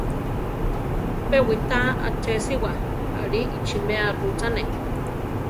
Pe witá achésiwa aʼli ichiméa rúchane.